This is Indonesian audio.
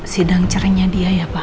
sidang ceringnya dia ya pak